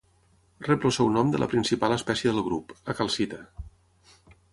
Rep el seu nom de la principal espècie del grup: la calcita.